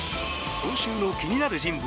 今週の気になる人物